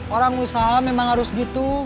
orang usaha memang harus gitu